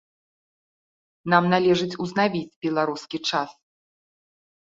Нам належыць узнавіць беларускі час.